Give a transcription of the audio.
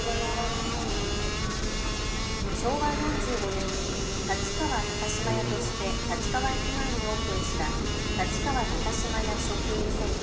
昭和４５年に立川高島屋として立川駅前にオープンした立川高島屋Ｓ．Ｃ．。